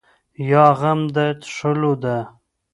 یا غم د څښلو ده.